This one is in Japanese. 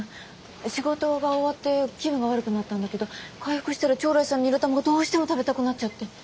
仕事が終わって気分が悪くなったんだけど回復したら朝來さんのニラ玉がどうしても食べたくなっちゃって。